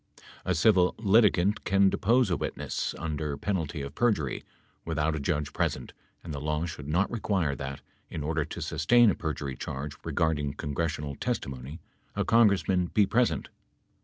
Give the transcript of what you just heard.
A civil litigant can depose a witness, under penalty of perjury, without a judge present and the law should not require that, in order to sustain a perjury charge regarding congres sional testimony, a Congressman be present.